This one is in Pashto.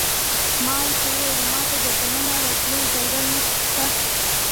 ما ورته وویل: ما ته د دننه راتلو اجازه شته؟